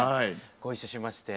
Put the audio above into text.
ご一緒しまして。